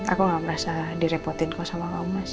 aku gak merasa direpotin sama kamu mas